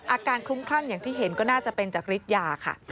คลุ้มคลั่งอย่างที่เห็นก็น่าจะเป็นจากฤทธิยาค่ะ